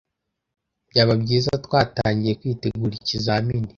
Byaba byiza twatangiye kwitegura ikizamini.